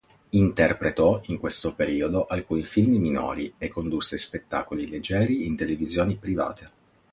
Interpretò in questo periodo alcuni film minori e condusse spettacoli leggeri in televisioni private.